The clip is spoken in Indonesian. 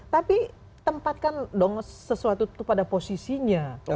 tapi tempatkan dong sesuatu itu pada posisinya